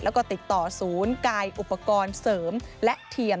แล้วก็ติดต่อศูนย์กายอุปกรณ์เสริมและเทียม